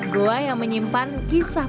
gua yang menyimpan berbagai jenis peralatan